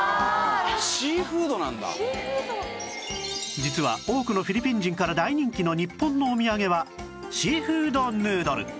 実は多くのフィリピン人から大人気の日本のお土産はシーフードヌードル